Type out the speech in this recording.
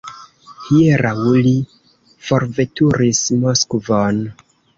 Hieraŭ li forveturis Moskvon.